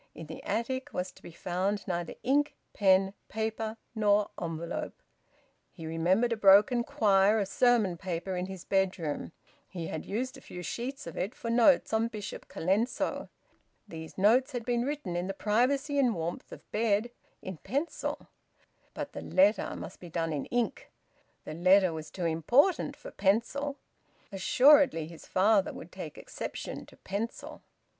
In the attic was to be found neither ink, pen, paper, nor envelope. He remembered a broken quire of sermon paper in his bedroom; he had used a few sheets of it for notes on Bishop Colenso. These notes had been written in the privacy and warmth of bed, in pencil. But the letter must be done in ink; the letter was too important for pencil; assuredly his father would take exception to pencil.